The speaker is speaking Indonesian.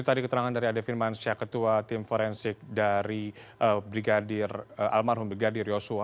itu tadi keterangan dari ade firman seorang ketua tim forensik dari brigadir almarhum brigadir yusuf